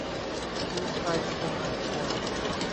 ชูชัย องอาจชัย